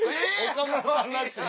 岡村さんらしい。